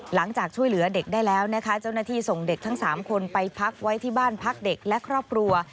หลังจากช่วยเหลือเด็กได้แล้วนะคะเจ้าหน้าที่ส่งเด็กทั้ง๓คนไปพักไว้ที่บ้านพักเด็กและครอบครัว